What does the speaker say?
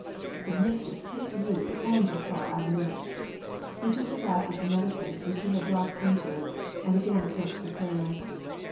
" The mischief take you and your Karl Ivanuitch !" He took the glass with the medicine which he had dropped into it and again approached the cradle.